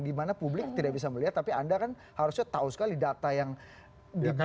dimana publik tidak bisa melihat tapi anda kan harusnya tahu sekali data yang dikeluarkan